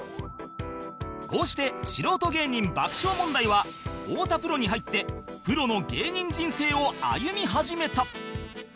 こうして素人芸人爆笑問題は太田プロに入ってプロの芸人人生を歩み始めた